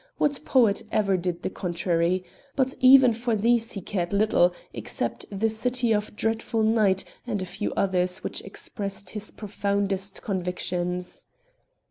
What poet ever did the contrary? But even for these he cared little, except "The City of Dreadful Night" and a few others, which expressed his profoundest convictions.